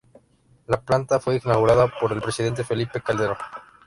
La planta fue inaugurada por el Presidente Felipe Calderón.